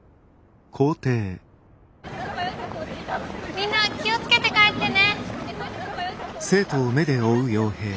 みんな気を付けて帰ってね。